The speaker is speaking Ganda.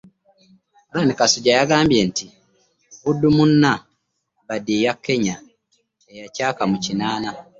Allan Kasujja yagambye nti, Vundumuna Bbandi ya Kenya eyacaaka mu kinaana.